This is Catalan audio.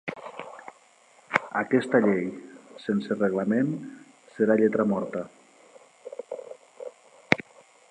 Aquesta llei, sense reglament, serà lletra morta.